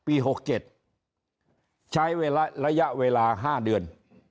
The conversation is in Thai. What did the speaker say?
นี่หน้าปี๖๗ใช้เวลาระยะเวลา๕เดือน